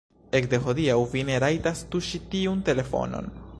Ekde hodiaŭ vi ne rajtas tuŝi tiun telefonon.